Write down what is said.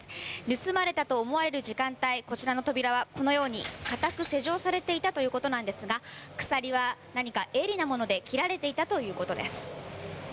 盗まれたと思われる時間帯、こちらの扉はこのように固く施錠されていたということなんですが、鎖は何か鋭利なもので切られていたということです。